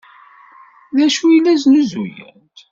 D acu ay la snuzuyent?